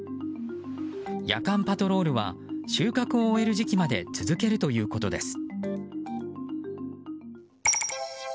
夜間パトロールは収穫を終える時期まで続けるということです。